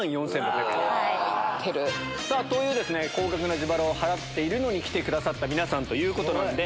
というですね高額な自腹を払っているのに来てくださった皆さんということなんで。